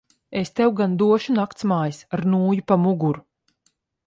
Es tev gan došu naktsmājas ar nūju pa muguru.